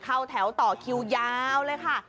เข้าแถวต่อคิวยาวเลยค่ะ